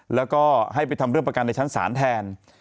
แล้วก็ให้ไปทำเรื่องประกันในชั้นศาลแทน